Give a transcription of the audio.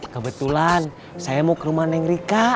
kebetulan saya mau ke rumah neng rika